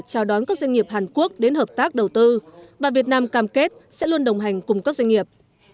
chào đón các doanh nghiệp hàn quốc đến hợp tác đầu tư và việt nam cam kết sẽ luôn đồng hành cùng các doanh nghiệp